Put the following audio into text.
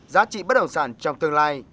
giá trị bất đồng sản trong tương lai